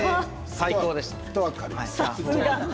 最高でした。